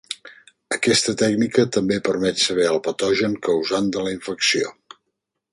Aquesta tècnica també permet saber el patogen causant de la infecció.